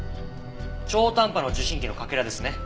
超短波の受信機のかけらですね。